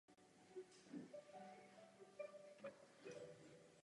Tato tvrz se nacházela severozápadně od zámku a dnes po ní zbývá pouze tvrziště.